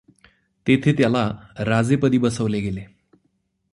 तेथे त्याला राजेपदी बसवले गेले.